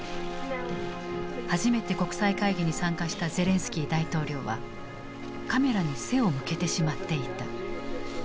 初めて国際会議に参加したゼレンスキー大統領はカメラに背を向けてしまっていた。